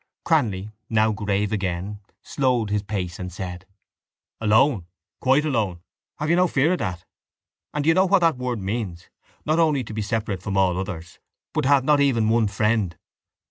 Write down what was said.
Cranly, now grave again, slowed his pace and said: —Alone, quite alone. You have no fear of that. And you know what that word means? Not only to be separate from all others but to have not even one friend.